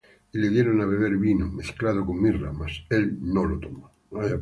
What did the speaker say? Y le dieron á beber vino mezclado con mirra; mas él no lo tomó.